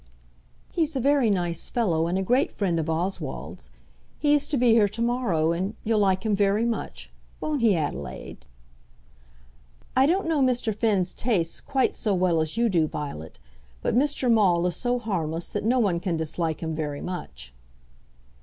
"He's a very nice fellow, and a great friend of Oswald's. He is to be here to morrow, and you'll like him very much. Won't he, Adelaide?" "I don't know Mr. Finn's tastes quite so well as you do, Violet. But Mr. Maule is so harmless that no one can dislike him very much."